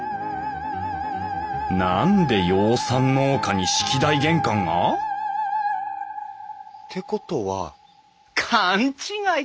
何で養蚕農家に式台玄関が！？ってことは勘違いか。